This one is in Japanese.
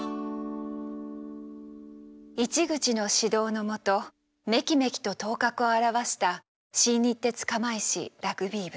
市口の指導の下めきめきと頭角を現した新日鉄釜石ラグビー部。